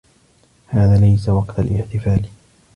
هذا ليس وقت الإحتفال.